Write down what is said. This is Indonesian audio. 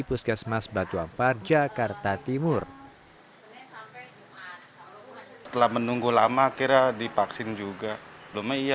puskesmas batu ampar jakarta timur telah menunggu lama kira dipaksin juga belum ia